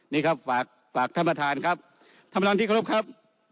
นี่ครับฝากฝากท่านประธานครับท่านประธานที่เคารพครับ